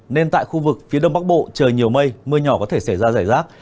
nên tại khu vực phía đông bắc bộ trời nhiều mây mưa nhỏ có thể xảy ra rải rác